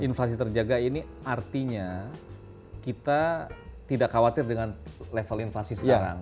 inflasi terjaga ini artinya kita tidak khawatir dengan level inflasi sekarang